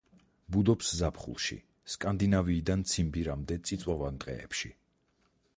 ბუდობს ზაფხულში, სკანდინავიიდან ციმბირამდე წიწვოვან ტყეებში.